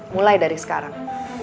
mulai dari sekarang